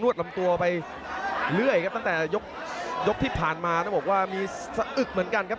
ลำตัวไปเรื่อยครับตั้งแต่ยกยกที่ผ่านมาต้องบอกว่ามีสะอึกเหมือนกันครับ